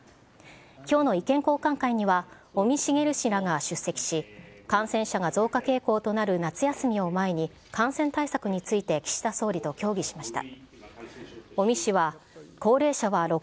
きょうの意見交換会には、尾身茂氏らが出席し、感染者が増加傾向となる夏休みを前に、感染対策について岸田総理と協議しました。